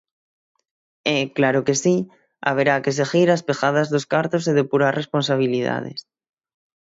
E, claro que si, haberá que seguir as pegadas dos cartos e depurar responsabilidades.